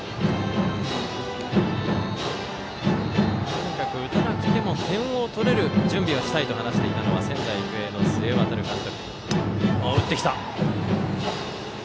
とにかく打てなくても点を取れる準備をしたいと話していたのは仙台育英の須江航監督。